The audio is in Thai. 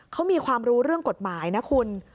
เขามีความรู้เรื่องกฎหมายนะคุณ